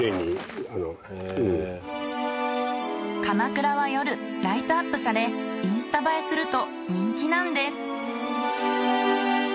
かまくらは夜ライトアップされインスタ映えすると人気なんです。